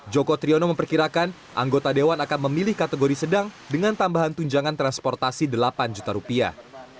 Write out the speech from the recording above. joko triyono memperkirakan anggota dewan akan memilih kategori sedang dengan tambahan tunjangan transportasi delapan juta rupiah